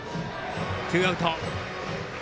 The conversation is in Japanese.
ツーアウト。